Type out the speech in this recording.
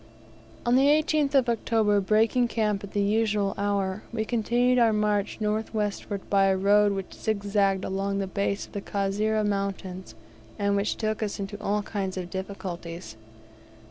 On the 18th of October, breaking camp at the usual hour, we continued our march north westward by a road which zig zagged along the base of the Kasera mountains, and which took us into all kinds of difficulties.